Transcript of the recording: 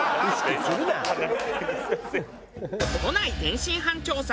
都内天津飯調査